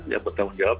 yang bertanggung jawab